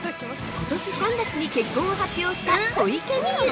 ◆ことし３月に結婚を発表した小池美由。